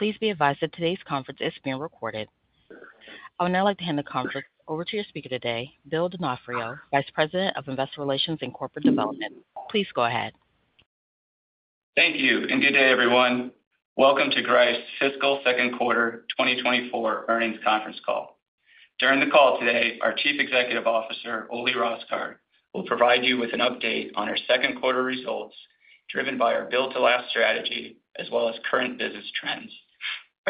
Please be advised that today's conference is being recorded. I would now like to hand the conference over to your speaker today, Bill D’Onofrio, Vice President of Investor Relations and Corporate Development. Please go ahead. Thank you, and good day, everyone. Welcome to Greif's Fiscal Second Quarter 2024 Earnings Conference Call. During the call today, our Chief Executive Officer, Ole Rosgaard, will provide you with an update on our second quarter results, driven by our Build to Last strategy, as well as current business trends.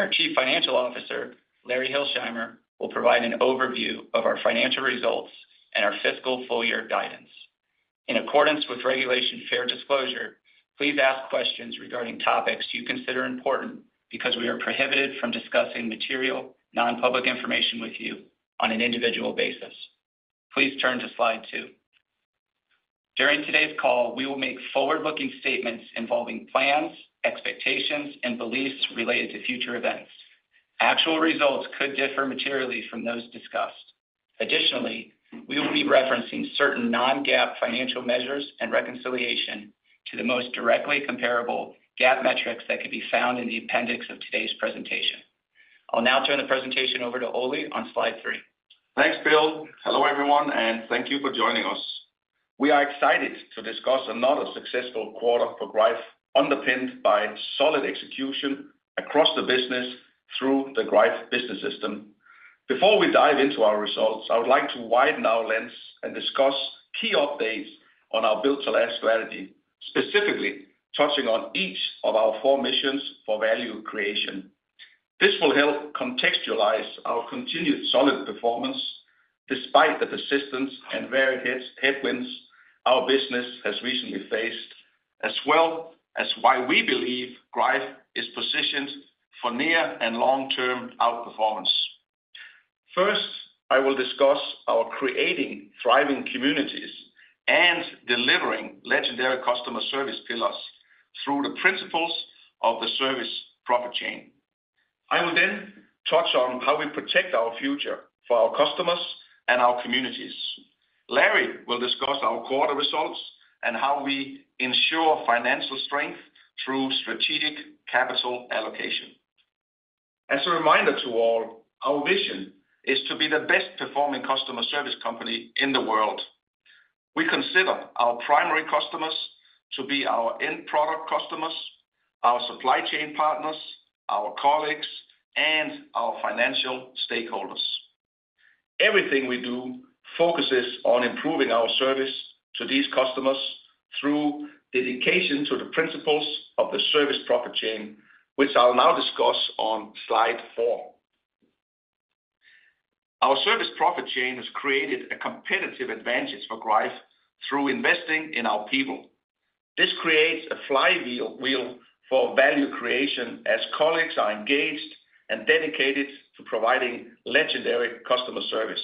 Our Chief Financial Officer, Larry Hilsheimer, will provide an overview of our financial results and our fiscal full-year guidance. In accordance with Regulation Fair Disclosure, please ask questions regarding topics you consider important, because we are prohibited from discussing material, non-public information with you on an individual basis. Please turn to slide two. During today's call, we will make forward-looking statements involving plans, expectations, and beliefs related to future events. Actual results could differ materially from those discussed. Additionally, we will be referencing certain non-GAAP financial measures and reconciliation to the most directly comparable GAAP metrics that can be found in the appendix of today's presentation. I'll now turn the presentation over to Ole on slide three. Thanks, Bill. Hello, everyone, and thank you for joining us. We are excited to discuss another successful quarter for Greif, underpinned by solid execution across the business through the Greif Business System. Before we dive into our results, I would like to widen our lens and discuss key updates on our Build to Last strategy, specifically touching on each of our four missions for value creation. This will help contextualize our continued solid performance, despite the persistence and varied headwinds our business has recently faced, as well as why we believe Greif is positioned for near and long-term outperformance. First, I will discuss our creating thriving communities and delivering legendary customer service pillars through the principles of the service profit chain. I will then touch on how we protect our future for our customers and our communities. Larry will discuss our quarter results and how we ensure financial strength through strategic capital allocation. As a reminder to all, our vision is to be the best performing customer service company in the world. We consider our primary customers to be our end product customers, our supply chain partners, our colleagues, and our financial stakeholders. Everything we do focuses on improving our service to these customers through dedication to the principles of the Service Profit Chain, which I'll now discuss on slide four. Our Service Profit Chain has created a competitive advantage for Greif through investing in our people. This creates a flywheel for value creation as colleagues are engaged and dedicated to providing legendary customer service.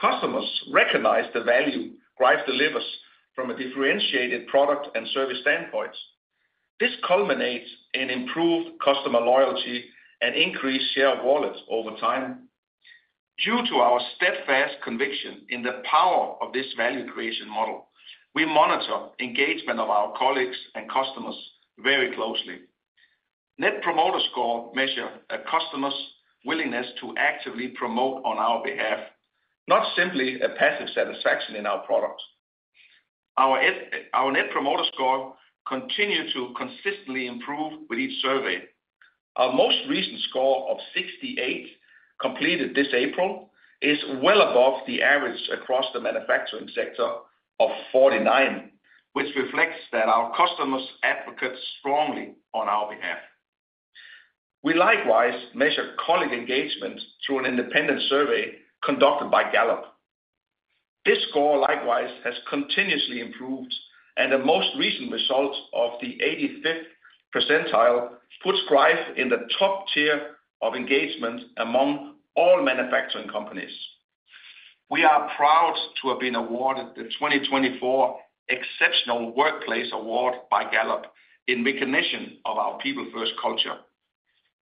Customers recognize the value Greif delivers from a differentiated product and service standpoint. This culminates in improved customer loyalty and increased share of wallets over time. Due to our steadfast conviction in the power of this value creation model, we monitor engagement of our colleagues and customers very closely. Net Promoter Score measure a customer's willingness to actively promote on our behalf, not simply a passive satisfaction in our products. Our our Net Promoter Score continue to consistently improve with each survey. Our most recent score of 68, completed this April, is well above the average across the manufacturing sector of 49, which reflects that our customers advocate strongly on our behalf. We likewise measure colleague engagement through an independent survey conducted by Gallup. This score likewise has continuously improved, and the most recent results of the 85th percentile puts Greif in the top tier of engagement among all manufacturing companies. We are proud to have been awarded the 2024 Exceptional Workplace Award by Gallup in recognition of our people-first culture.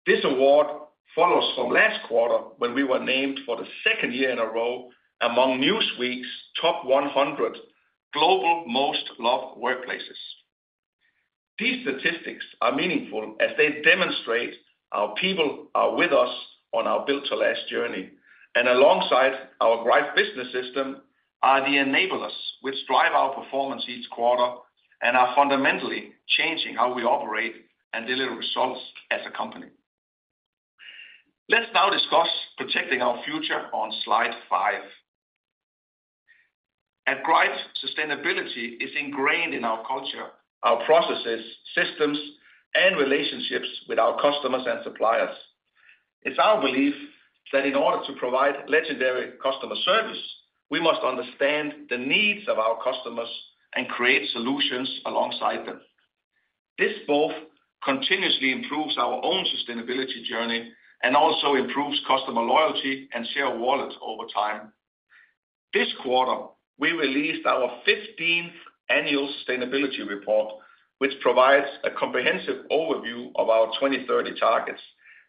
This award follows from last quarter, when we were named for the second year in a row among Newsweek's Top 100 Global Most Loved Workplaces. These statistics are meaningful as they demonstrate our people are with us on our Build to Last journey, and alongside our Greif Business System, are the enablers which drive our performance each quarter and are fundamentally changing how we operate and deliver results as a company. Let's now discuss protecting our future on slide five. At Greif, sustainability is ingrained in our culture, our processes, systems, and relationships with our customers and suppliers. It's our belief that in order to provide legendary customer service, we must understand the needs of our customers and create solutions alongside them. This both continuously improves our own sustainability journey and also improves customer loyalty and share of wallet over time. This quarter, we released our 15th annual sustainability report, which provides a comprehensive overview of our 2030 targets,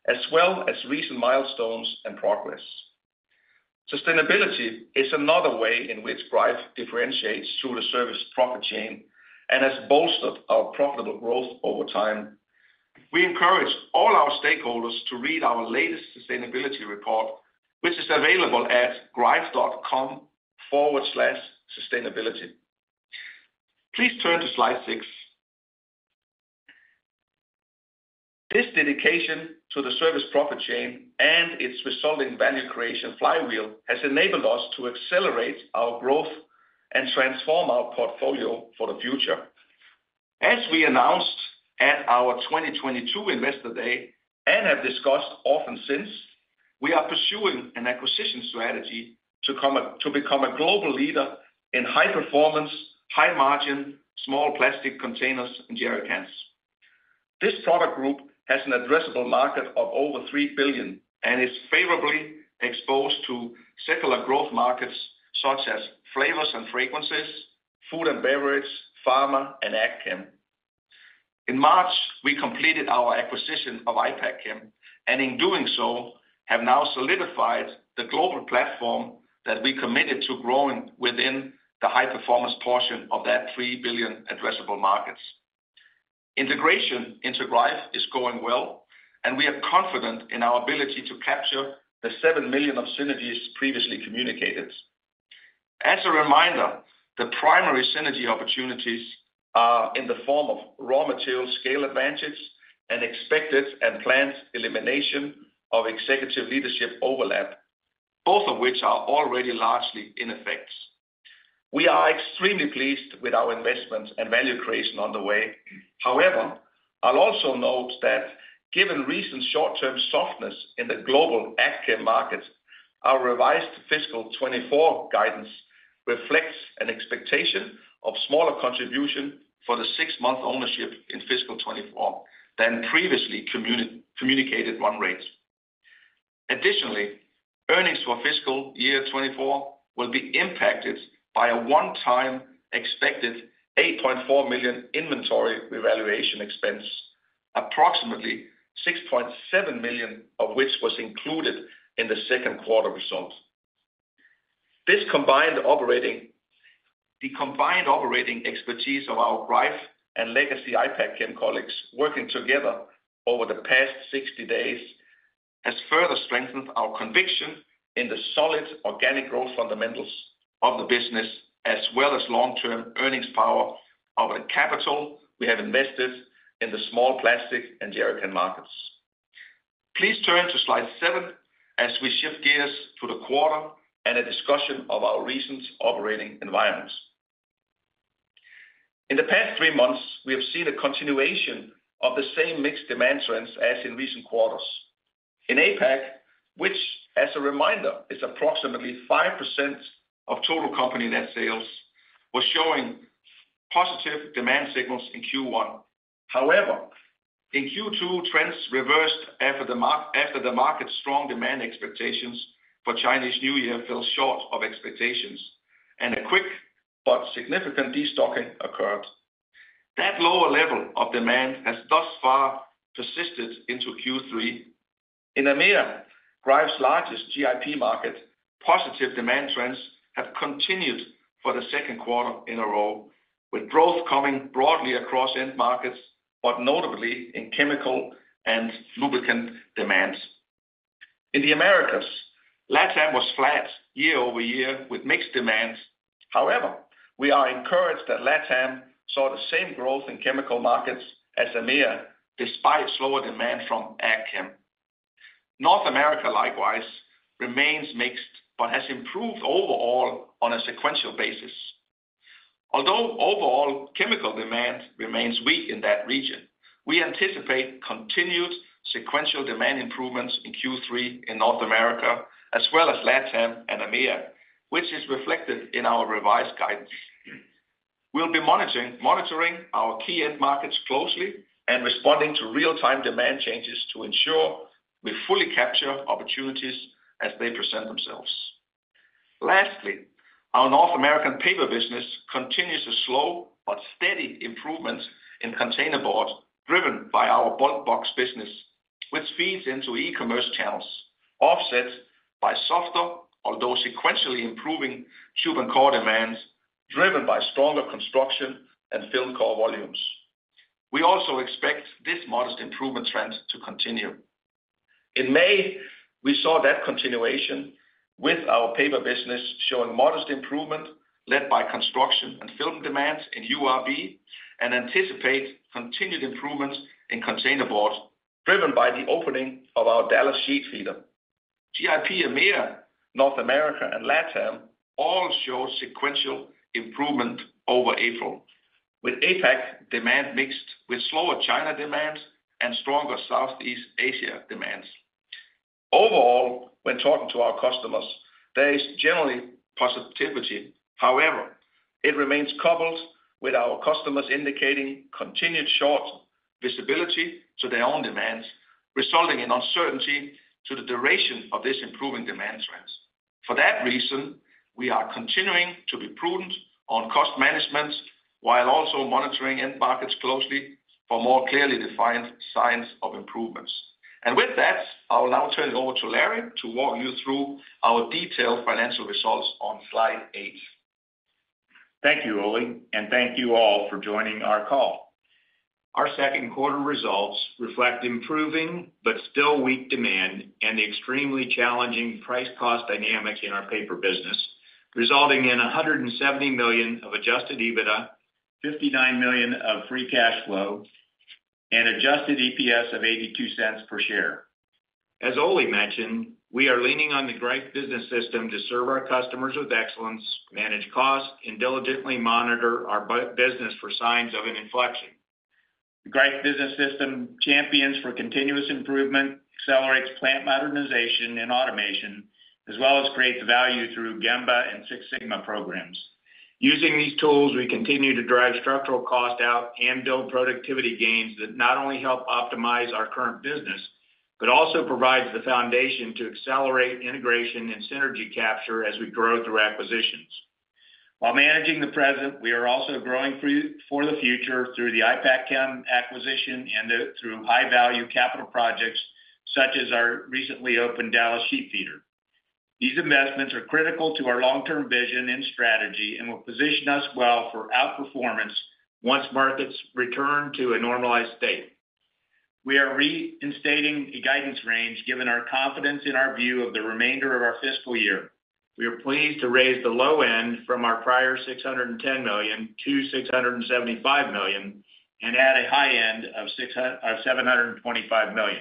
as well as recent milestones and progress. Sustainability is another way in which Greif differentiates through the Service Profit Chain and has bolstered our profitable growth over time. We encourage all our stakeholders to read our latest sustainability report, which is available at greif.com/sustainability. Please turn to slide six. This dedication to the Service Profit Chain and its resulting value creation flywheel has enabled us to accelerate our growth and transform our portfolio for the future. As we announced at our 2022 Investor Day, and have discussed often since, we are pursuing an acquisition strategy to become a global leader in high performance, high margin, small plastic containers, and jerrycans. This product group has an addressable market of over $3 billion and is favorably exposed to secular growth markets such as flavors and fragrances, food and beverage, pharma, and ag chem. In March, we completed our acquisition of Ipackchem, and in doing so, have now solidified the global platform that we committed to growing within the high-performance portion of that $3 billion addressable markets. Integration into Greif is going well, and we are confident in our ability to capture the $7 million of synergies previously communicated. As a reminder, the primary synergy opportunities are in the form of raw material scale advantage and expected and planned elimination of executive leadership overlap, both of which are already largely in effect. We are extremely pleased with our investment and value creation on the way. However, I'll also note that given recent short-term softness in the global Ag Chem market, our revised fiscal 2024 guidance reflects an expectation of smaller contribution for the six-month ownership in fiscal 2024 than previously communicated run rates. Additionally, earnings for fiscal year 2024 will be impacted by a one-time expected $8.4 million inventory revaluation expense, approximately $6.7 million of which was included in the second quarter results. This combined operating expertise of our Greif and legacy Ipackchem colleagues working together over the past 60 days, has further strengthened our conviction in the solid organic growth fundamentals of the business, as well as long-term earnings power of the capital we have invested in the small plastic and jerrycan markets. Please turn to slide seven as we shift gears to the quarter and a discussion of our recent operating environment. In the past three months, we have seen a continuation of the same mixed demand trends as in recent quarters. In APAC, which as a reminder, is approximately 5% of total company net sales, was showing positive demand signals in Q1. However, in Q2, trends reversed after the market's strong demand expectations for Chinese New Year fell short of expectations, and a quick but significant destocking occurred. That lower level of demand has thus far persisted into Q3. In EMEA, Greif's largest GIP market, positive demand trends have continued for the second quarter in a row, with growth coming broadly across end markets, but notably in chemical and lubricant demands. In the Americas, LatAm was flat year-over-year with mixed demands. However, we are encouraged that LatAm saw the same growth in chemical markets as EMEA, despite slower demand from Ag Chem. North America likewise remains mixed, but has improved overall on a sequential basis. Although overall chemical demand remains weak in that region, we anticipate continued sequential demand improvements in Q3 in North America, as well as LatAm and EMEA, which is reflected in our revised guidance. We'll be monitoring our key end markets closely and responding to real-time demand changes to ensure we fully capture opportunities as they present themselves. Lastly, our North American paper business continues a slow but steady improvement in containerboard, driven by our Bulk Box business, which feeds into e-commerce channels, offset by softer, although sequentially improving tube and core demands, driven by stronger construction and film core volumes. We also expect this modest improvement trend to continue. In May, we saw that continuation with our paper business showing modest improvement led by construction and film demands in URB, and anticipate continued improvements in containerboard, driven by the opening of our Dallas sheet feeder. In EMEA, North America, and LatAm all show sequential improvement over April, with APAC demand mixed with slower China demand and stronger Southeast Asia demands. Overall, when talking to our customers, there is generally positivity. However, it remains coupled with our customers indicating continued short visibility to their own demands, resulting in uncertainty to the duration of this improving demand trends. For that reason, we are continuing to be prudent on cost management, while also monitoring end markets closely for more clearly defined signs of improvements. And with that, I will now turn it over to Larry to walk you through our detailed financial results on slide eight. Thank you, Ole, and thank you all for joining our call. Our second quarter results reflect improving but still weak demand and the extremely challenging price-cost dynamics in our paper business, resulting in $170 million of adjusted EBITDA, $59 million of free cash flow, and adjusted EPS of $0.82 per share. As Ole mentioned, we are leaning on the Greif Business System to serve our customers with excellence, manage costs, and diligently monitor our business for signs of an inflection. The Greif Business System champions for continuous improvement, accelerates plant modernization and automation, as well as creates value through Gemba and Six Sigma programs. Using these tools, we continue to drive structural cost out and build productivity gains that not only help optimize our current business, but also provides the foundation to accelerate integration and synergy capture as we grow through acquisitions. While managing the present, we are also growing through for the future through the Ipackchem acquisition and through high-value capital projects, such as our recently opened Dallas sheet feeder. These investments are critical to our long-term vision and strategy and will position us well for outperformance once markets return to a normalized state. We are reinstating a guidance range, given our confidence in our view of the remainder of our fiscal year. We are pleased to raise the low end from our prior $610 million-$675 million, and add a high end of $725 million.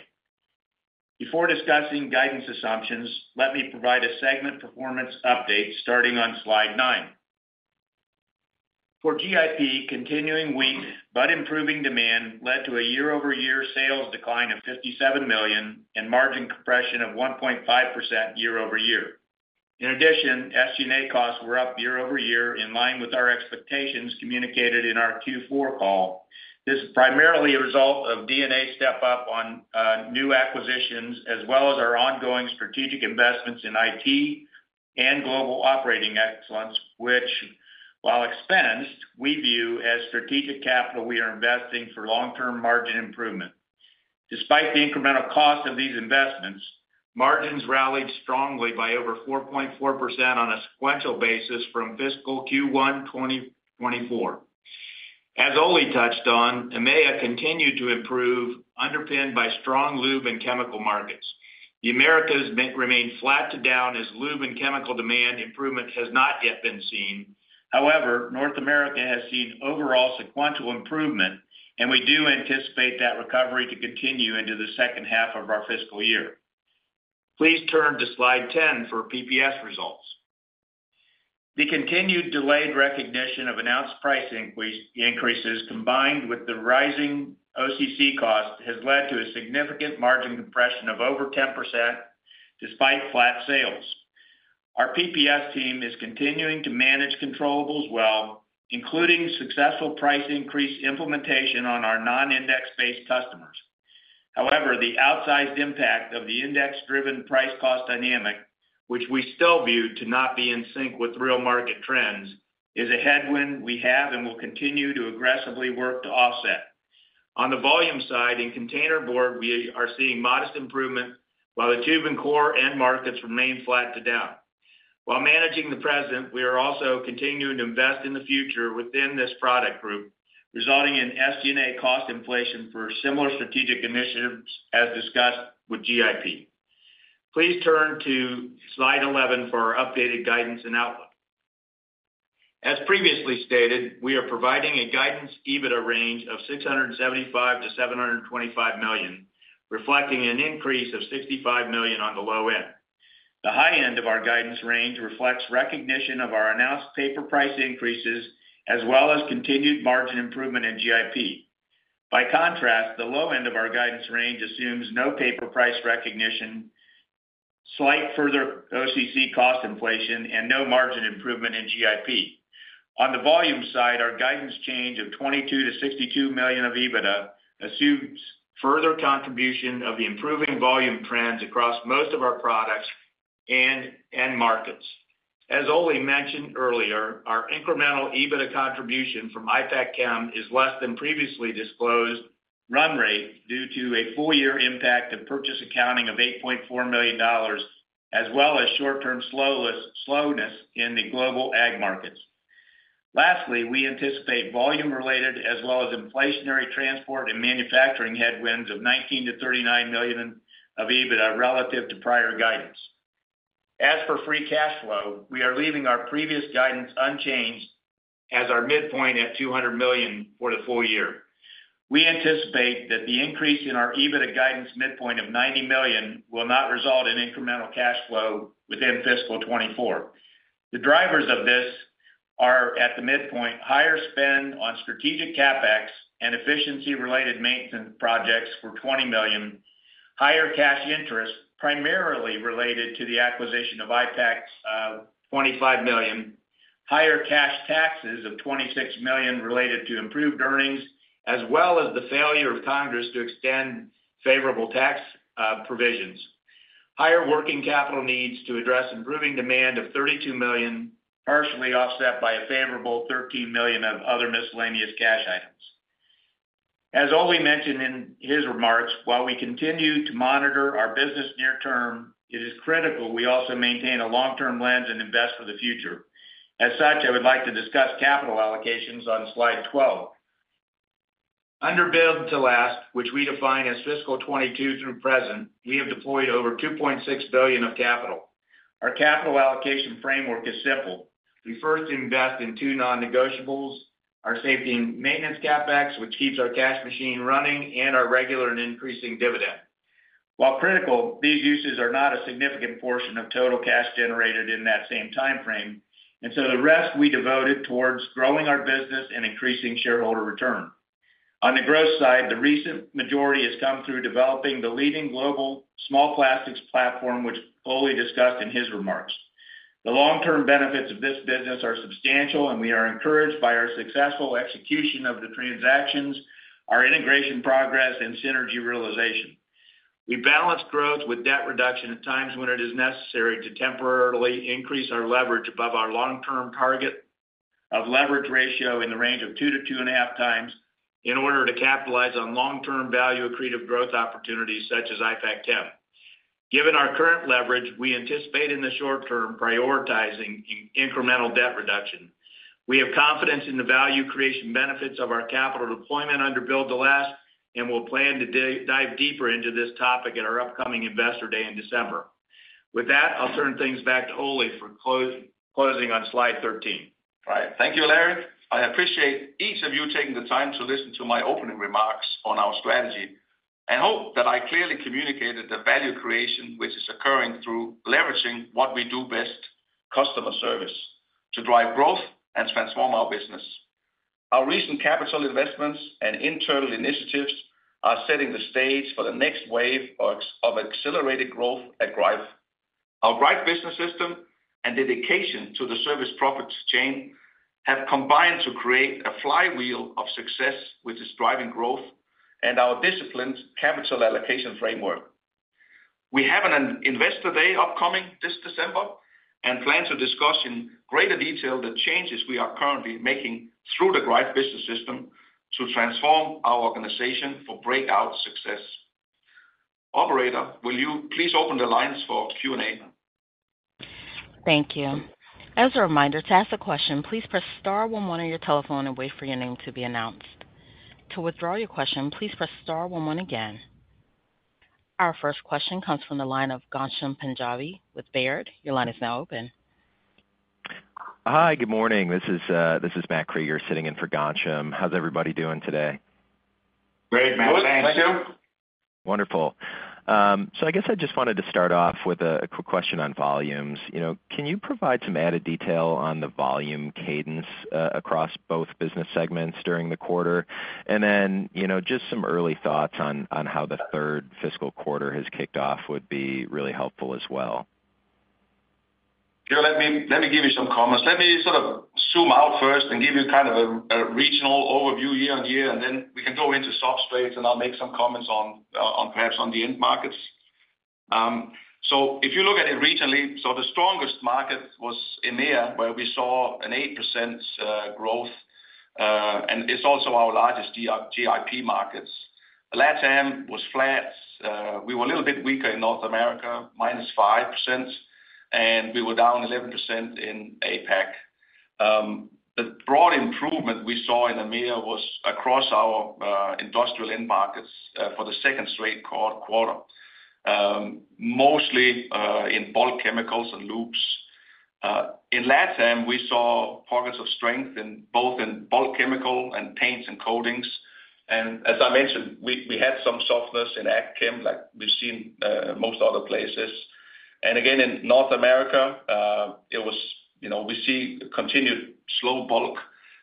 Before discussing guidance assumptions, let me provide a segment performance update starting on slide nine. For GIP, continuing weak but improving demand led to a year-over-year sales decline of $57 million and margin compression of 1.5% year-over-year. In addition, SG&A costs were up year-over-year, in line with our expectations communicated in our Q4 call. This is primarily a result of D&A step-up on new acquisitions, as well as our ongoing strategic investments in IT and global operating excellence, which, while expensed, we view as strategic capital we are investing for long-term margin improvement. Despite the incremental cost of these investments, margins rallied strongly by over 4.4% on a sequential basis from fiscal Q1 2024. As Ole touched on, EMEA continued to improve, underpinned by strong lube and chemical markets. The Americas remain flat to down as lube and chemical demand improvement has not yet been seen. However, North America has seen overall sequential improvement, and we do anticipate that recovery to continue into the second half of our fiscal year. Please turn to slide 10 for PPS results. The continued delayed recognition of announced price increases, combined with the rising OCC cost, has led to a significant margin compression of over 10% despite flat sales. Our PPS team is continuing to manage controllables well, including successful price increase implementation on our non-index-based customers. However, the outsized impact of the index-driven price cost dynamic, which we still view to not be in sync with real market trends, is a headwind we have and will continue to aggressively work to offset. On the volume side, in containerboard, we are seeing modest improvement, while the tube and core end markets remain flat to down. While managing the present, we are also continuing to invest in the future within this product group, resulting in SG&A cost inflation for similar strategic initiatives as discussed with GIP. Please turn to slide 11 for our updated guidance and outlook. As previously stated, we are providing a guidance EBITDA range of $675 million-$725 million, reflecting an increase of $65 million on the low end. The high end of our guidance range reflects recognition of our announced paper price increases, as well as continued margin improvement in GIP. By contrast, the low end of our guidance range assumes no paper price recognition, slight further OCC cost inflation, and no margin improvement in GIP. On the volume side, our guidance change of $22 million-$62 million of EBITDA assumes further contribution of the improving volume trends across most of our products and end markets. As Ole mentioned earlier, our incremental EBITDA contribution from Ipackchem is less than previously disclosed run rate due to a full-year impact of purchase accounting of $8.4 million, as well as short-term slowness in the global ag markets. Lastly, we anticipate volume-related, as well as inflationary transport and manufacturing headwinds of $19 million-$39 million of EBITDA relative to prior guidance. As for free cash flow, we are leaving our previous guidance unchanged as our midpoint at $200 million for the full year. We anticipate that the increase in our EBITDA guidance midpoint of $90 million will not result in incremental cash flow within fiscal 2024. The drivers of this are, at the midpoint, higher spend on strategic CapEx and efficiency-related maintenance projects for $20 million, higher cash interest, primarily related to the acquisition of Ipackchem, $25 million.... Higher cash taxes of $26 million related to improved earnings, as well as the failure of Congress to extend favorable tax provisions. Higher working capital needs to address improving demand of $32 million, partially offset by a favorable $13 million of other miscellaneous cash items. As Ole mentioned in his remarks, while we continue to monitor our business near term, it is critical we also maintain a long-term lens and invest for the future. As such, I would like to discuss capital allocations on slide 12. Under Build to Last, which we define as fiscal 2022 through present, we have deployed over $2.6 billion of capital. Our capital allocation framework is simple: We first invest in two non-negotiables, our safety and maintenance CapEx, which keeps our cash machine running, and our regular and increasing dividend. While critical, these uses are not a significant portion of total cash generated in that same time frame, and so the rest we devoted towards growing our business and increasing shareholder return. On the growth side, the recent majority has come through developing the leading global small plastics platform, which Ole discussed in his remarks. The long-term benefits of this business are substantial, and we are encouraged by our successful execution of the transactions, our integration progress, and synergy realization. We balance growth with debt reduction at times when it is necessary to temporarily increase our leverage above our long-term target of leverage ratio in the range of 2x-2.5x in order to capitalize on long-term value accretive growth opportunities, such as Ipackchem. Given our current leverage, we anticipate in the short term prioritizing incremental debt reduction. We have confidence in the value creation benefits of our capital deployment under Build to Last, and we'll plan to dive deeper into this topic at our upcoming Investor Day in December. With that, I'll turn things back to Ole for closing on slide 13. All right. Thank you, Larry. I appreciate each of you taking the time to listen to my opening remarks on our strategy, and hope that I clearly communicated the value creation, which is occurring through leveraging what we do best, customer service, to drive growth and transform our business. Our recent capital investments and internal initiatives are setting the stage for the next wave of accelerated growth at Greif. Our Greif Business System and dedication to the Service Profit Chain have combined to create a flywheel of success, which is driving growth and our disciplined capital allocation framework. We have an investor day upcoming this December, and plan to discuss in greater detail the changes we are currently making through the Greif Business System to transform our organization for breakout success. Operator, will you please open the lines for Q&A? Thank you. As a reminder, to ask a question, please press star one one on your telephone and wait for your name to be announced. To withdraw your question, please press star one one again. Our first question comes from the line of Ghansham Panjabi with Baird. Your line is now open. Hi, good morning. This is, this is Matt Krueger, sitting in for Ghansham. How's everybody doing today? Great, Matt. Good. Thank you. Wonderful. So I guess I just wanted to start off with a quick question on volumes. You know, can you provide some added detail on the volume cadence across both business segments during the quarter? And then, you know, just some early thoughts on how the third fiscal quarter has kicked off would be really helpful as well. Yeah, let me, let me give you some comments. Let me sort of zoom out first and give you kind of a regional overview year-on-year, and then we can go into substrates, and I'll make some comments on perhaps the end markets. So if you look at it regionally, so the strongest market was EMEA, where we saw an 8% growth, and it's also our largest GIP markets. LatAm was flat. We were a little bit weaker in North America, -5%, and we were down 11% in APAC. The broad improvement we saw in EMEA was across our industrial end markets for the second straight quarter, mostly in bulk chemicals and lubes. In LatAm, we saw pockets of strength in both bulk chemical and paints and coatings. As I mentioned, we had some softness in Ag Chem, like we've seen most other places. And again, in North America, it was, you know, we see continued slow bulk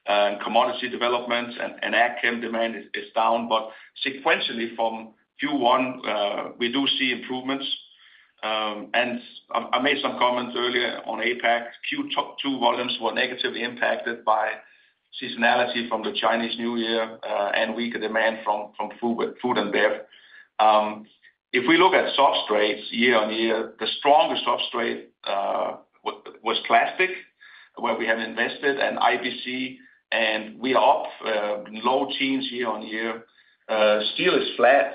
and commodity development and ag chem demand is down, but sequentially from Q1, we do see improvements. And I made some comments earlier on APAC. Q2 volumes were negatively impacted by seasonality from the Chinese New Year and weaker demand from food and bev. If we look at substrates year-over-year, the strongest substrate was plastic, where we have invested in IBC, and we are off low teens year-over-year. Steel is flat,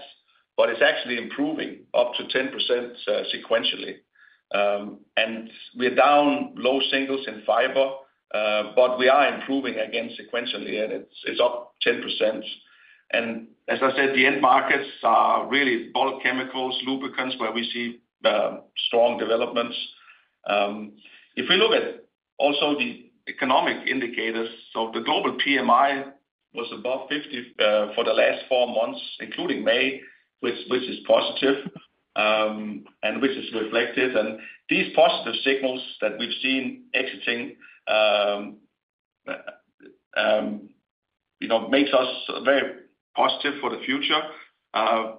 but it's actually improving up to 10%, sequentially. And we're down low singles in fiber, but we are improving again sequentially, and it's up 10%. And as I said, the end markets are really bulk chemicals, lubricants, where we see strong developments. If we look at also the economic indicators, so the global PMI was above 50 for the last four months, including May, which is positive, and which is reflected. And these positive signals that we've seen exiting you know makes us very positive for the future.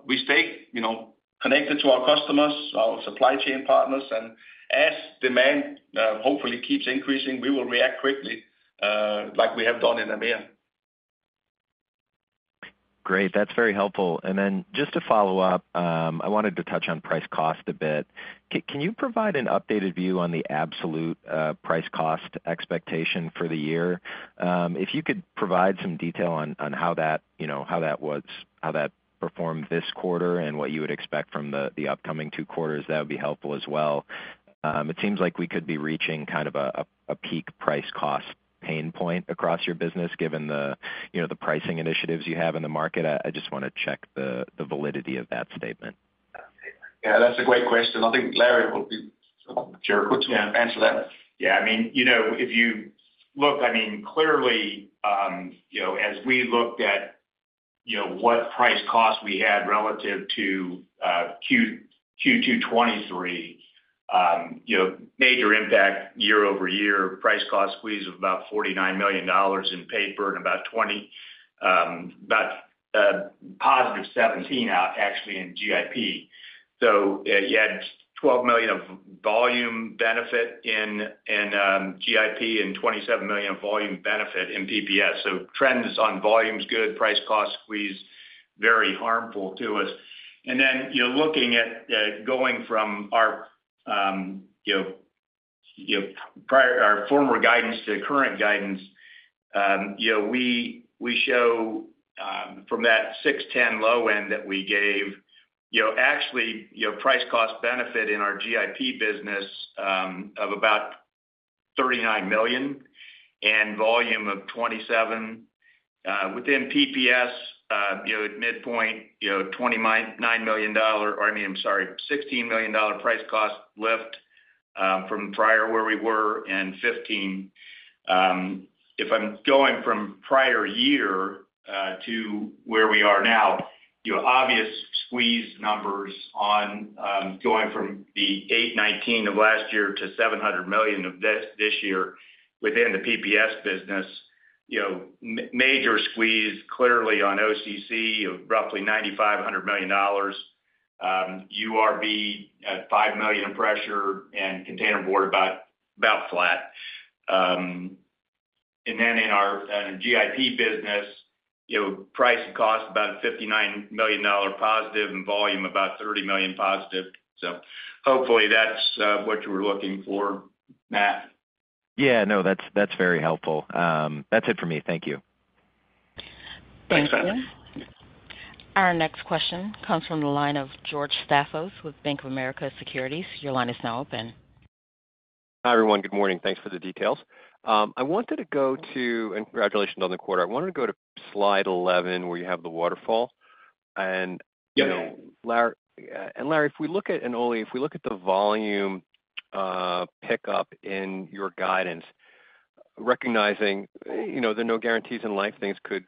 We stay you know connected to our customers, our supply chain partners, and as demand hopefully keeps increasing, we will react quickly like we have done in EMEA. Great, that's very helpful. And then just to follow up, I wanted to touch on price cost a bit. Can you provide an updated view on the absolute price cost expectation for the year? If you could provide some detail on how that, you know, how that performed this quarter and what you would expect from the upcoming two quarters, that would be helpful as well. It seems like we could be reaching kind of a peak price cost pain point across your business, given the, you know, the pricing initiatives you have in the market. I just wanna check the validity of that statement. Yeah, that's a great question. I think Larry will be very quick to answer that. Yeah, I mean, you know, if you look, I mean, clearly, you know, as we looked at, you know, what price cost we had relative to Q2 2023, you know, major impact year-over-year, price cost squeeze of about $49 million in paper and positive $17 million out actually in GIP. So, you had $12 million of volume benefit in GIP and $27 million of volume benefit in PPS. So, trends on volume's good, price cost squeeze very harmful to us. And then, you know, looking at, going from our former guidance to current guidance, you know, we show, from that 610 low end that we gave, you know, actually, you know, price cost benefit in our GIP business, of about $39 million and volume of 27. Within PPS, you know, at midpoint, you know, $29 million, or I mean, I'm sorry, $16 million dollar price cost lift, from prior where we were and 15. If I'm going from prior year to where we are now, you've obviously squeezed numbers on going from the 819 of last year to $700 million of this year within the PPS business, you know, major squeeze clearly on OCC of roughly $95 million-$100 million, URB at $5 million in pressure and containerboard about flat. And then in our GIP business, you know, price and cost about $59 million positive and volume about $30 million positive. So hopefully that's what you were looking for, Matt. Yeah. No, that's very helpful. That's it for me. Thank you. Thanks, Matt. Our next question comes from the line of George Staphos with Bank of America Securities. Your line is now open. Hi, everyone. Good morning. Thanks for the details. I wanted to go to... Congratulations on the quarter. I wanted to go to slide 11, where you have the waterfall. You know, Larry- Yeah. Larry, if we look at, and Ole, if we look at the volume pickup in your guidance, recognizing, you know, there are no guarantees in life, things could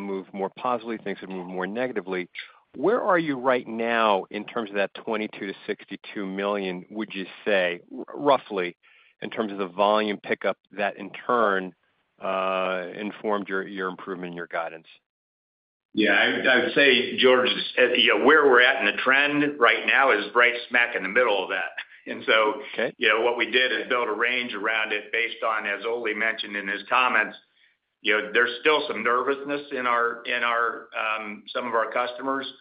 move more positively, things could move more negatively. Where are you right now in terms of that $22 million-$62 million, would you say, roughly, in terms of the volume pickup that in turn informed your improvement in your guidance? Yeah, I would, I would say, George, you know, where we're at in the trend right now is right smack in the middle of that. And so- Okay. You know, what we did is build a range around it based on, as Ole mentioned in his comments, you know, there's still some nervousness in some of our customers,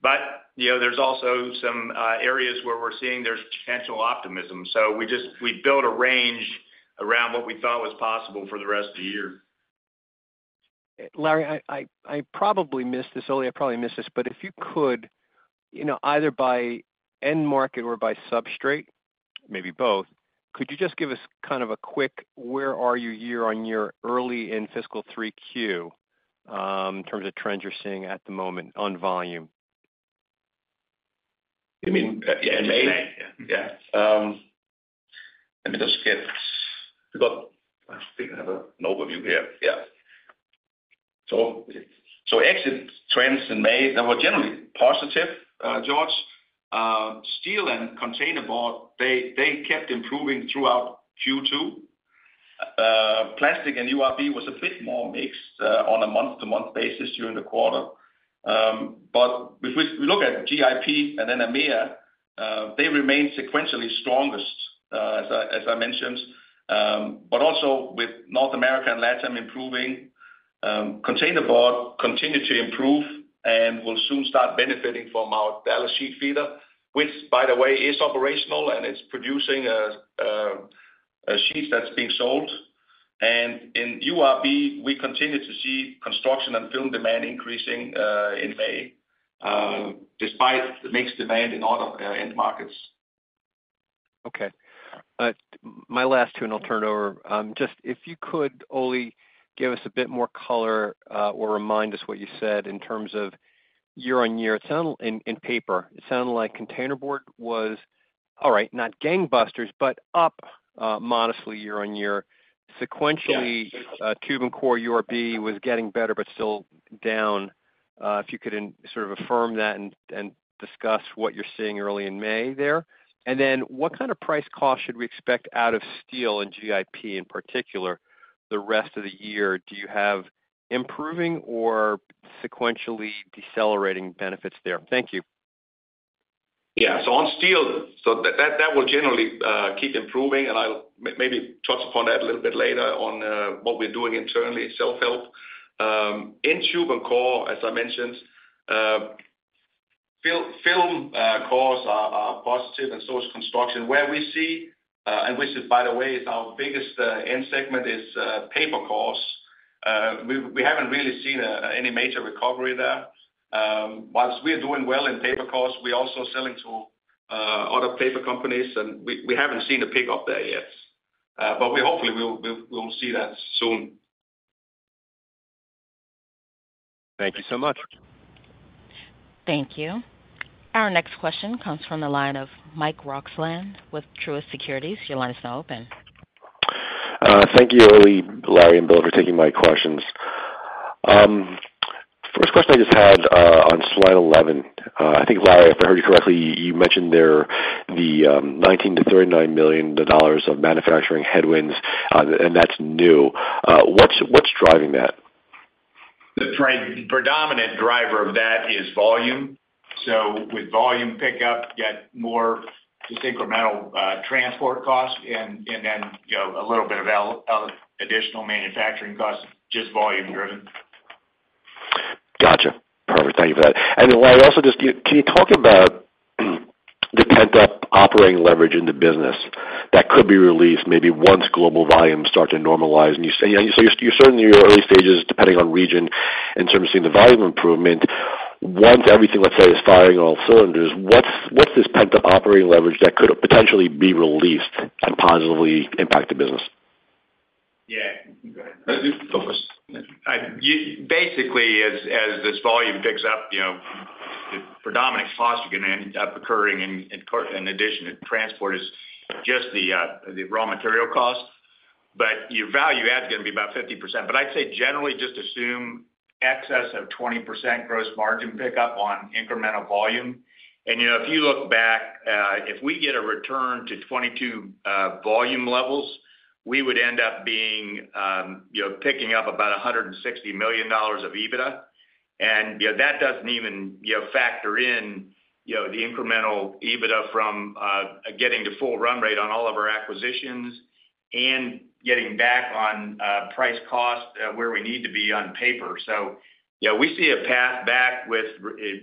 but, you know, there's also some areas where we're seeing there's potential optimism. So we just, we built a range around what we thought was possible for the rest of the year. Larry, I probably missed this. Ole, I probably missed this, but if you could, you know, either by end market or by substrate, maybe both, could you just give us kind of a quick where are you year-on-year, early in fiscal 3Q, in terms of trends you're seeing at the moment on volume? You mean, yeah, in May? May, yeah. Yeah. Let me just get... I think I have an overview here. Yeah. So, so index trends in May, they were generally positive, George. Steel and containerboard, they, they kept improving throughout Q2. Plastic and URB was a bit more mixed, on a month-to-month basis during the quarter. But if we, we look at GIP and then EMEA, they remain sequentially strongest, as I, as I mentioned. But also with North America and LatAm improving, containerboard continued to improve and will soon start benefiting from our Dallas sheet feeder, which, by the way, is operational, and it's producing sheets that's being sold. And in URB, we continue to see construction and film demand increasing in May, despite mixed demand in other end markets. Okay. My last two, and I'll turn it over. Just if you could, Ole, give us a bit more color, or remind us what you said in terms of year-over-year. It sounded in paper, it sounded like containerboard was all right, not gangbusters, but up modestly year-over-year. Sequentially- Yeah. Tube and Core URB was getting better, but still down. If you could sort of affirm that and discuss what you're seeing early in May there. And then what kind of price cost should we expect out of steel and GIP in particular, the rest of the year? Do you have improving or sequentially decelerating benefits there? Thank you. Yeah, so on steel, so that will generally keep improving, and I'll maybe touch upon that a little bit later on, what we're doing internally, self-help. In Tube and Core, as I mentioned, film cores are positive and so is construction. Where we see, and which is, by the way, our biggest end segment is paper cores. We haven't really seen any major recovery there. While we are doing well in paper cores, we're also selling to other paper companies, and we haven't seen a pickup there yet. But we hopefully we'll see that soon. Thank you so much. Thank you. Our next question comes from the line of Mike Roxland with Truist Securities. Your line is now open. Thank you, Ole, Larry, and Bill, for taking my questions. First question I just had on slide 11. I think, Larry, if I heard you correctly, you mentioned there the $19 million-$39 million of manufacturing headwinds, and that's new. What's driving that? The predominant driver of that is volume. So with volume pickup, get more just incremental transport costs and then, you know, a little bit of additional manufacturing costs, just volume driven. Gotcha. Perfect. Thank you for that. And then, Larry, also, just can you, can you talk about the pent-up operating leverage in the business that could be released maybe once global volumes start to normalize? And you say, so you're certain you're early stages, depending on region, in terms of seeing the volume improvement. Once everything, let's say, is firing on all cylinders, what's, what's this pent-up operating leverage that could potentially be released and positively impact the business? Yeah. You go ahead. Focus. You basically, as this volume picks up, you know, the predominant cost you're gonna end up incurring in addition to transport is just the raw material cost, but your value add is gonna be about 50%. But I'd say generally just assume excess of 20% gross margin pickup on incremental volume. You know, if you look back, if we get a return to 22 volume levels, we would end up, you know, picking up about $160 million of EBITDA. You know, that doesn't even factor in the incremental EBITDA from getting to full run rate on all of our acquisitions and getting back on price cost where we need to be on paper. So, yeah, we see a path back with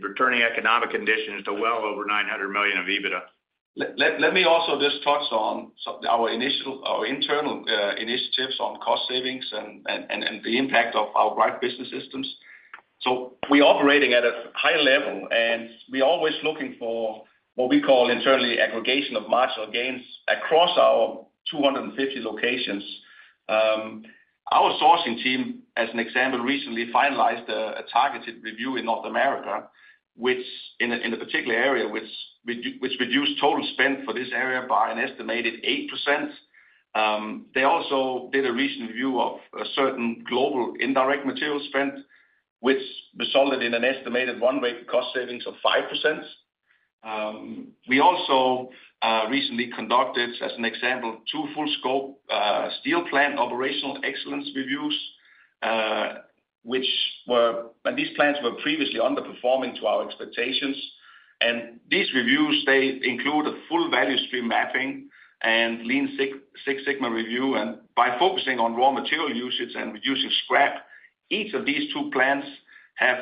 returning economic conditions to well over $900 million of EBITDA. Let me also just touch on our internal initiatives on cost savings and the impact of our Greif Business System. So we're operating at a high level, and we're always looking for what we call internally, aggregation of marginal gains across our 250 locations. Our sourcing team, as an example, recently finalized a targeted review in North America, which in a particular area reduced total spend for this area by an estimated 8%. They also did a recent review of a certain global indirect material spend, which resulted in an estimated one-way cost savings of 5%. We also recently conducted, as an example, two full scope steel plant operational excellence reviews, which were. And these plants were previously underperforming to our expectations. And these reviews, they include a full value stream mapping and lean six sigma review. And by focusing on raw material usage and reducing scrap, each of these two plants have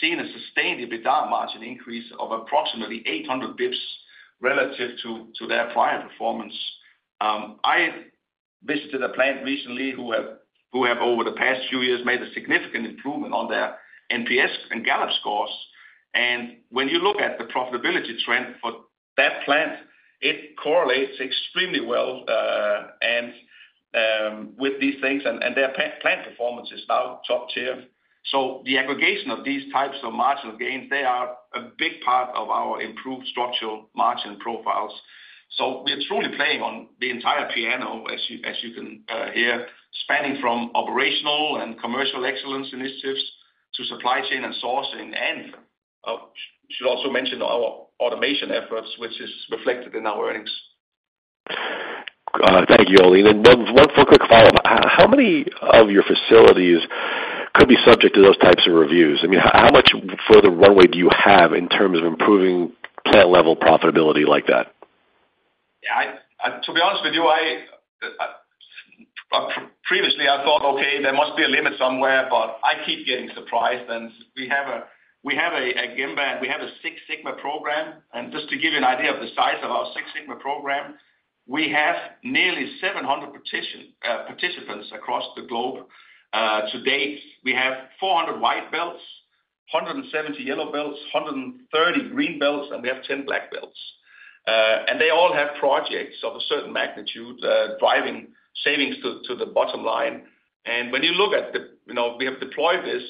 seen a sustained EBITDA margin increase of approximately 800 basis points relative to their prior performance. I visited a plant recently who have over the past few years, made a significant improvement on their NPS and Gallup scores. And when you look at the profitability trend for that plant, it correlates extremely well with these things, and their plant performance is now top tier. So the aggregation of these types of marginal gains, they are a big part of our improved structural margin profiles. So we are truly playing on the entire piano, as you, as you can hear, spanning from operational and commercial excellence initiatives to supply chain and sourcing, and should also mention our automation efforts, which is reflected in our earnings. Thank you, Ole. And then one quick follow-up. How many of your facilities could be subject to those types of reviews? I mean, how much further runway do you have in terms of improving plant-level profitability like that? Yeah, to be honest with you, I previously thought, okay, there must be a limit somewhere, but I keep getting surprised, and we have a Gemba, we have a Six Sigma program. And just to give you an idea of the size of our Six Sigma program, we have nearly 700 certified participants across the globe. To date, we have 400 white belts, 170 yellow belts, 130 green belts, and we have 10 black belts. And they all have projects of a certain magnitude driving savings to the bottom line. And when you look at, you know, we have deployed this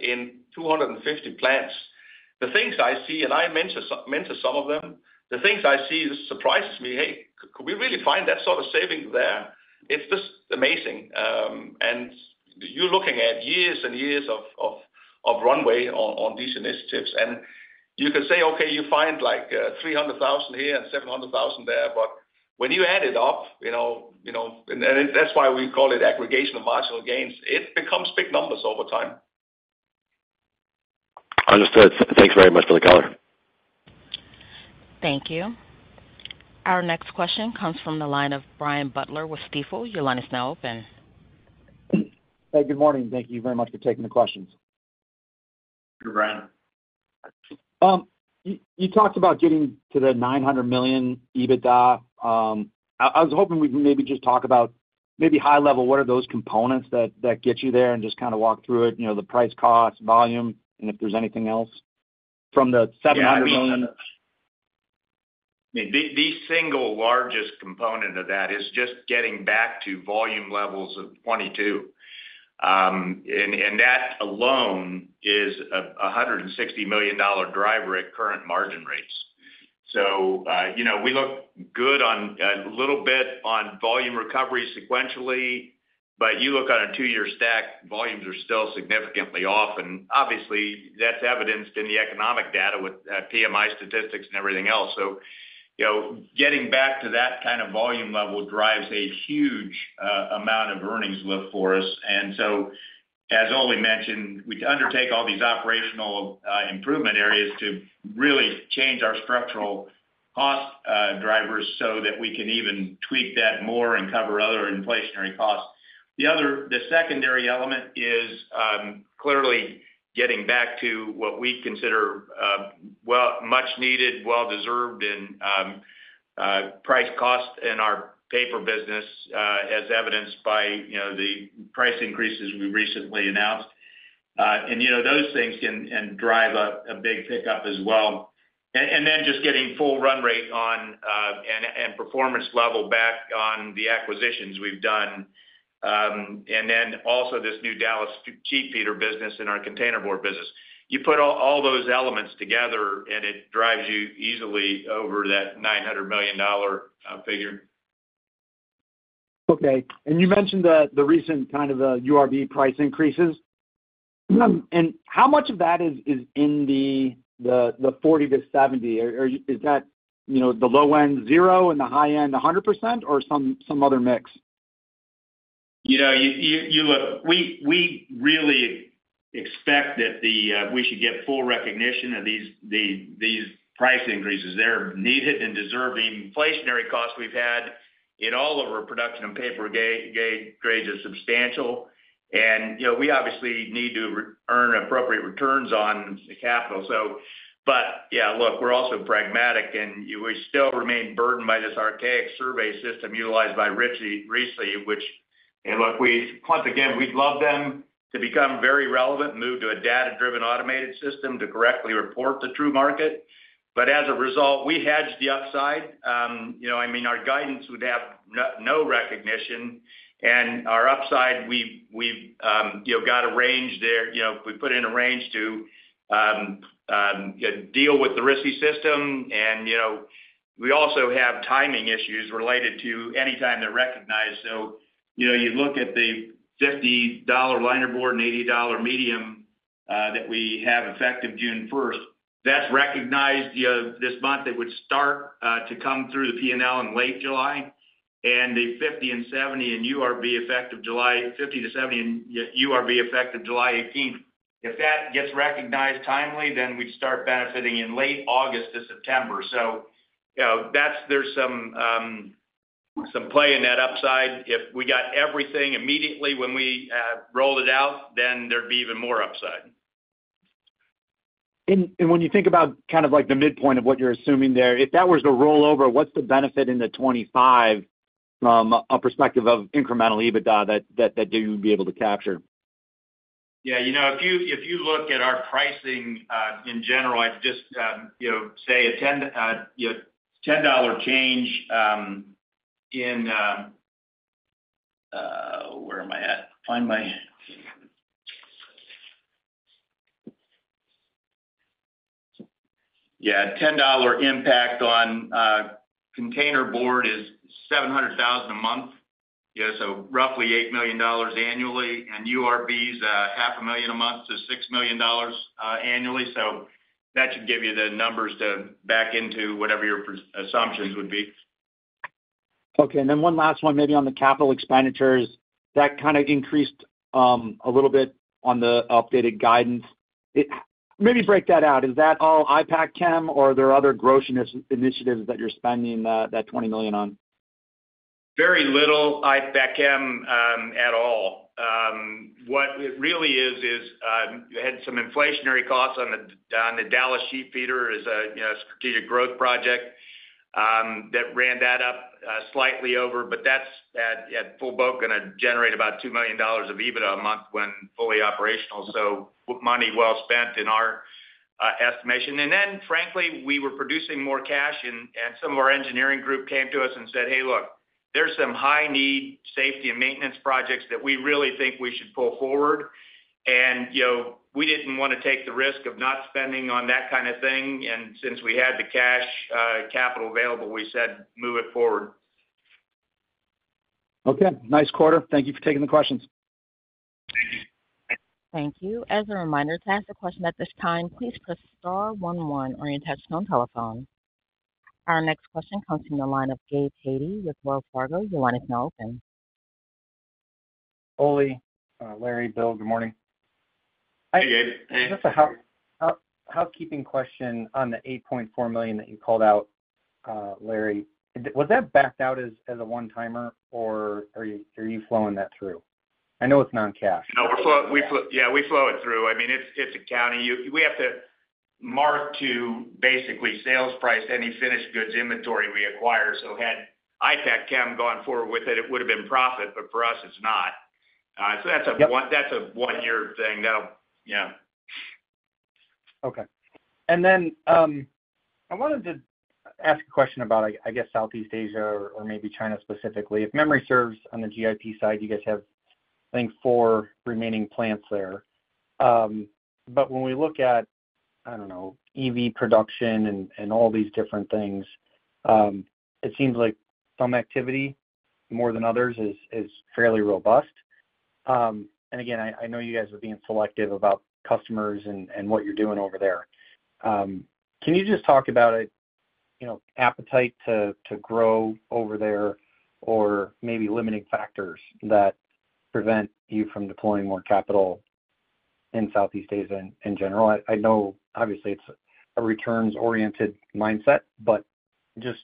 in 250 plants.... The things I see, and I mentor some of them, the things I see surprises me. Hey, could we really find that sort of saving there? It's just amazing. And you're looking at years and years of runway on these initiatives. And you can say, okay, you find like $300,000 here and $700,000 there, but when you add it up, you know, you know, and that's why we call it aggregation of marginal gains, it becomes big numbers over time. Understood. Thanks very much for the color. Thank you. Our next question comes from the line of Brian Butler with Stifel. Your line is now open. Hey, good morning. Thank you very much for taking the questions. Good, Brian. You talked about getting to the $900 million EBITDA. I was hoping we could maybe just talk about maybe high level, what are those components that get you there, and just kind of walk through it, you know, the price, cost, volume, and if there's anything else from the $700 million? Yeah, I mean, the single largest component of that is just getting back to volume levels of 2022. And that alone is a $160 million driver at current margin rates. So, you know, we look good on a little bit on volume recovery sequentially, but you look on a two-year stack, volumes are still significantly off. And obviously, that's evidenced in the economic data with PMI statistics and everything else. So, you know, getting back to that kind of volume level drives a huge amount of earnings lift for us. And so, as Ole mentioned, we undertake all these operational improvement areas to really change our structural cost drivers so that we can even tweak that more and cover other inflationary costs. The other. The secondary element is clearly getting back to what we consider well, much needed, well-deserved, and price cost in our paper business, as evidenced by, you know, the price increases we recently announced. And, you know, those things can drive a big pickup as well. And then just getting full run rate on and performance level back on the acquisitions we've done, and then also this new Dallas sheet feeder business and our containerboard business. You put all those elements together, and it drives you easily over that $900 million figure. Okay. And you mentioned the recent kind of URB price increases. And how much of that is in the 40-70? Or is that, you know, the low end 0 and the high end 100%, or some other mix? Yeah, you look. We really expect that we should get full recognition of these price increases. They're needed and deserving. Inflationary costs we've had in all of our production and paper grades is substantial. And you know, we obviously need to re-earn appropriate returns on the capital. So but yeah, look, we're also pragmatic, and we still remain burdened by this archaic survey system utilized by RISI, which, and look, once again, we'd love them to become very relevant, move to a data-driven, automated system to correctly report the true market. But as a result, we hedge the upside. You know, I mean, our guidance would have no recognition, and our upside, we've got a range there. You know, we put in a range to deal with the RISI system, and, you know, we also have timing issues related to any time they're recognized. So, you know, you look at the $50 linerboard and $80 medium that we have effective June 1, that's recognized, you know, this month. It would start to come through the P&L in late July, and the $50-$70 in URB, effective July 18. If that gets recognized timely, then we'd start benefiting in late August to September. So, you know, that's. There's some play in that upside. If we got everything immediately when we rolled it out, then there'd be even more upside. When you think about kind of like the midpoint of what you're assuming there, if that was to roll over, what's the benefit in the 25 from a perspective of incremental EBITDA that you would be able to capture? Yeah, you know, if you, if you look at our pricing, in general, I'd just, you know, say a $10, you know, $10 change, in... Yeah, a $10 impact on containerboard is $700,000 a month. Yeah, so roughly $8 million annually, and URB's, half a million a month to $6 million annually. So that should give you the numbers to back into whatever your pres- assumptions would be. Okay, and then one last one, maybe on the capital expenditures that kind of increased a little bit on the updated guidance. Maybe break that out. Is that all Ipackchem, or are there other growth initiatives that you're spending that $20 million on? Very little Ipackchem at all. What it really is is had some inflationary costs on the Dallas sheet feeder, you know, strategic growth project that ran that up slightly over. But that's at full boat gonna generate about $2 million of EBITDA a month when fully operational. So money well spent in our estimation. And then frankly we were producing more cash and some of our engineering group came to us and said: "Hey look... There's some high need safety and maintenance projects that we really think we should pull forward. And you know we didn't wanna take the risk of not spending on that kind of thing and since we had the cash capital available we said, "Move it forward. Okay, nice quarter. Thank you for taking the questions. Thank you. As a reminder, to ask a question at this time, please press star one one on your touchtone telephone. Our next question comes from the line of Gabe Hajde with Wells Fargo. Your line is now open. Ole, Larry, Bill, good morning. Hey, Gabe. Just a housekeeping question on the $8.4 million that you called out, Larry, was that backed out as a one-timer, or are you flowing that through? I know it's non-cash. No, we flow it through. I mean, it's accounting. We have to mark to basically sales price any finished goods inventory we acquire. So had Ipackchem gone forward with it, it would've been profit, but for us, it's not. So that's a one- Yep. That's a one-year thing, though. Yeah. Okay. Then, I wanted to ask a question about, I guess, Southeast Asia or maybe China specifically. If memory serves on the GIP side, you guys have, I think, four remaining plants there. But when we look at, I don't know, EV production and all these different things, it seems like some activity, more than others, is fairly robust. And again, I know you guys are being selective about customers and what you're doing over there. Can you just talk about a, you know, appetite to grow over there, or maybe limiting factors that prevent you from deploying more capital in Southeast Asia in general? I know, obviously, it's a returns-oriented mindset, but just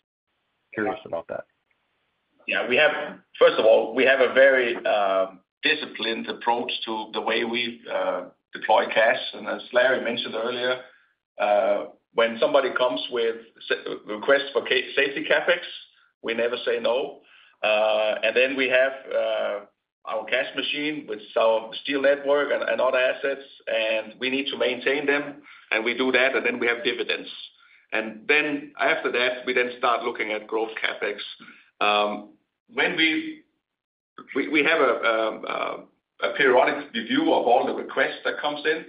curious about that. Yeah, we have... First of all, we have a very disciplined approach to the way we deploy cash. And as Larry mentioned earlier, when somebody comes with a request for safety CapEx, we never say no. And then we have our cash machine, with our steel network and other assets, and we need to maintain them, and we do that, and then we have dividends. And then after that, we then start looking at growth CapEx. When we have a periodic review of all the requests that comes in,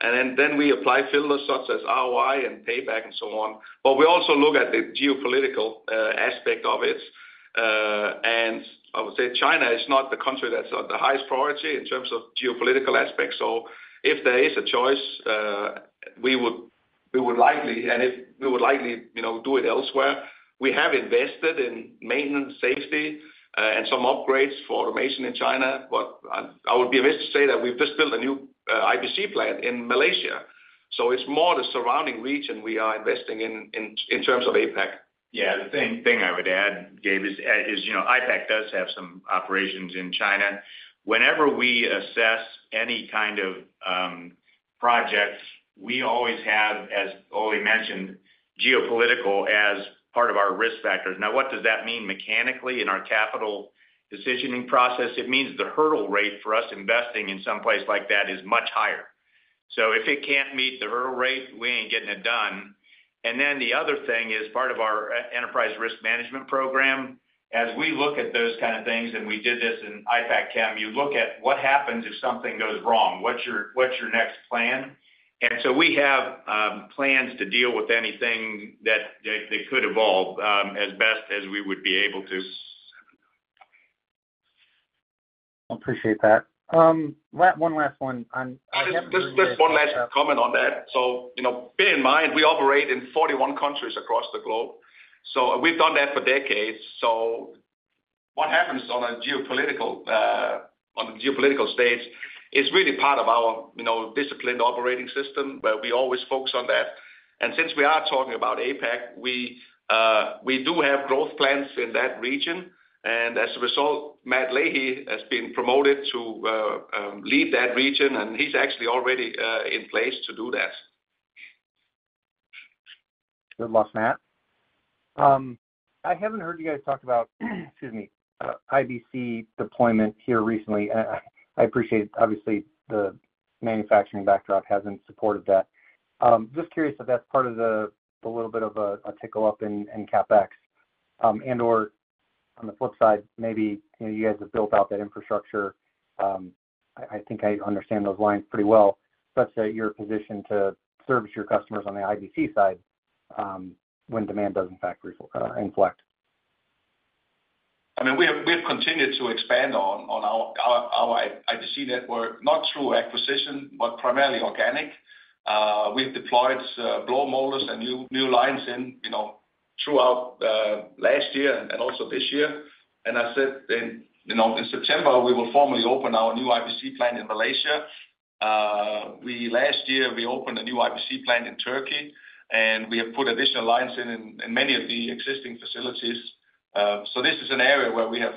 and then we apply filters such as ROI and payback and so on. But we also look at the geopolitical aspect of it. And I would say China is not the country that's of the highest priority in terms of geopolitical aspects. So if there is a choice, we would likely do it elsewhere. We have invested in maintenance, safety, and some upgrades for automation in China, but I would be remiss to say that we've just built a new IBC plant in Malaysia, so it's more the surrounding region we are investing in terms of APAC. Yeah, the thing I would add, Gabe, is, you know, Ipackchem does have some operations in China. Whenever we assess any kind of projects, we always have, as Ole mentioned, geopolitical as part of our risk factors. Now, what does that mean mechanically in our capital decisioning process? It means the hurdle rate for us investing in some place like that is much higher. So if it can't meet the hurdle rate, we ain't getting it done. And then the other thing is part of our enterprise risk management program, as we look at those kind of things, and we did this in Ipackchem, you look at what happens if something goes wrong, what's your next plan? And so we have plans to deal with anything that could evolve, as best as we would be able to. Appreciate that. One last one on- Just, just one last comment on that. So, you know, bear in mind, we operate in 41 countries across the globe, so we've done that for decades. So what happens on a geopolitical, on the geopolitical stage is really part of our, you know, disciplined operating system, where we always focus on that. And since we are talking about APAC, we, we do have growth plans in that region, and as a result, Matt Leahy has been promoted to, lead that region, and he's actually already, in place to do that. Good luck, Matt. I haven't heard you guys talk about, excuse me, IBC deployment here recently. I appreciate, obviously, the manufacturing backdrop hasn't supported that. Just curious if that's part of a little bit of a tickle up in CapEx, and/or on the flip side, maybe, you know, you guys have built out that infrastructure. I think I understand those lines pretty well, such that you're positioned to service your customers on the IBC side, when demand does in fact inflect. I mean, we have continued to expand on our IBC network, not through acquisition, but primarily organic. We've deployed blow molders and new lines, you know, throughout last year and also this year. And I said, you know, in September, we will formally open our new IBC plant in Malaysia. Last year, we opened a new IBC plant in Turkey, and we have put additional lines in many of the existing facilities. So this is an area where we have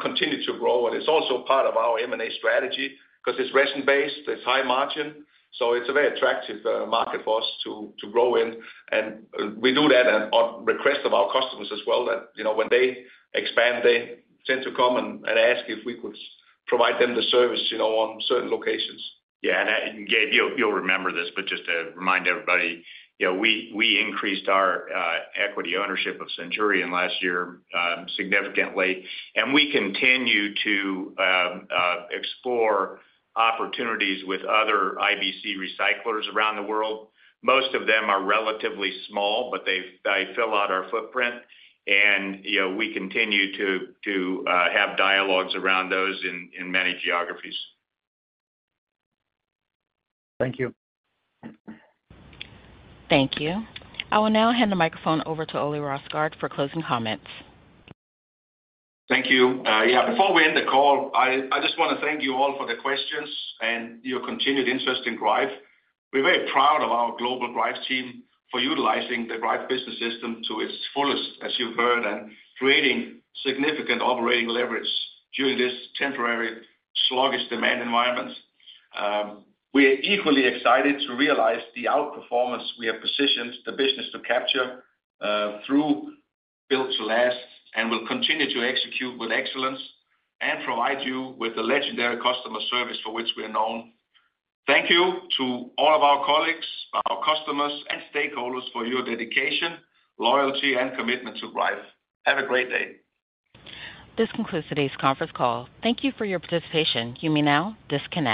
continued to grow, and it's also part of our M&A strategy, 'cause it's resin-based, it's high margin, so it's a very attractive market for us to grow in. We do that on request of our customers as well, that, you know, when they expand, they tend to come and ask if we could provide them the service, you know, on certain locations. Yeah, and, Gabe, you'll remember this, but just to remind everybody, you know, we increased our equity ownership of Centurion last year, significantly, and we continue to explore opportunities with other IBC recyclers around the world. Most of them are relatively small, but they fill out our footprint, and, you know, we continue to have dialogues around those in many geographies. Thank you. Thank you. I will now hand the microphone over to Ole Rosgaard for closing comments. Thank you. Yeah, before we end the call, I just wanna thank you all for the questions and your continued interest in Greif. We're very proud of our global Greif team for utilizing the Greif Business System to its fullest, as you've heard, and creating significant operating leverage during this temporary sluggish demand environment. We are equally excited to realize the outperformance we have positioned the business to capture through Build to Last, and will continue to execute with excellence and provide you with the legendary customer service for which we are known. Thank you to all of our colleagues, our customers, and stakeholders for your dedication, loyalty, and commitment to Greif. Have a great day. This concludes today's conference call. Thank you for your participation. You may now disconnect.